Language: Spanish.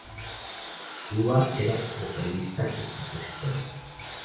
Lua era vocalista y compositora.